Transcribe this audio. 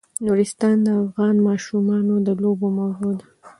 نورستان د افغان ماشومانو د لوبو موضوع ده.